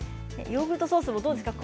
ヨーグルトソースもどうですか？